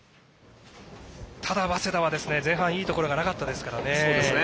ただ、早稲田は前半いいところがなかったですからね。